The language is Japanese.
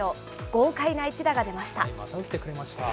豪快な一打が出ました。